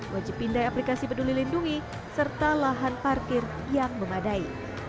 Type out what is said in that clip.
wajib pindai aplikasi peduli lindungi serta lahan parkir yang memadai